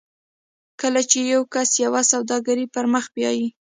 کله چې یو کس یوه سوداګري پر مخ بیایي